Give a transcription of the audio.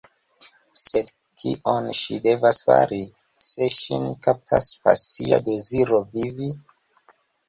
Sed kion ŝi devas fari, se ŝin kaptas pasia deziro vivi?